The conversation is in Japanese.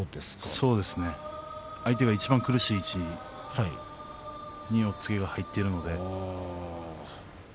そうですね相手がいちばん苦しい位置に押っつけが入っているので。